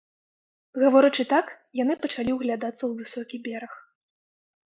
Гаворачы так, яны пачалі ўглядацца ў высокі бераг.